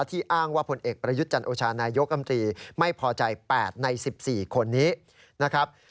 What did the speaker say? อ้างว่าผลเอกประยุทธ์จันโอชานายกรรมตรีไม่พอใจ๘ใน๑๔คนนี้นะครับ